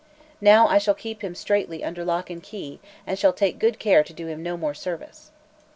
Now I shall keep him straitly under lock and key, and shall take good care to do him no more service."